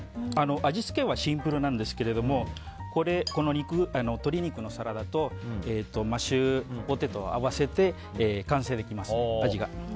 味付けはシンプルなんですけど鶏肉のサラダとマッシュポテトを合わせて完成できます、味が。